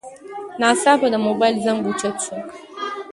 ناڅاپه د موبایل زنګ اوچت شو.